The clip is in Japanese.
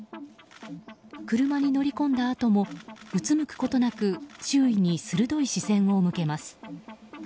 車に乗り込んだあともうつむくことなく周囲に鋭い視線を向けます。